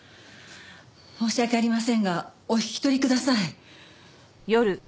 申し訳ありませんがお引き取りください。